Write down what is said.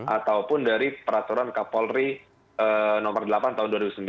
ataupun dari peraturan kapolri nomor delapan tahun dua ribu sembilan